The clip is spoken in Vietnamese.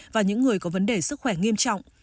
và những người có vấn đề sức khỏe nghiêm trọng